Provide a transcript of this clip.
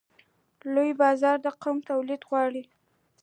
لوی بازار قوي تولید غواړي.